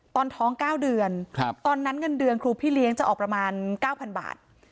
ตอนท้อง๙เดือนตอนนั้นเงินเดือนครูพี่เลี้ยงจะออกประมาณ๙๐๐บาท